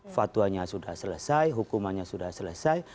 fatwanya sudah selesai hukumannya sudah selesai